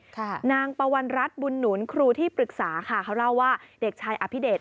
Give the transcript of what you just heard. นางปวัณรัฐบุญหนุนครูที่ปรึกษาค่ะเขาเล่าว่าเด็กชายอภิเดช